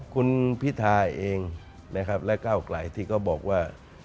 คุณพิทาเองนะครับและก้าวไกลที่เขาบอกว่า